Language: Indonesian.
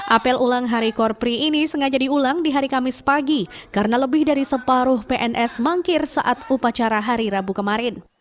apel ulang hari korpri ini sengaja diulang di hari kamis pagi karena lebih dari separuh pns mangkir saat upacara hari rabu kemarin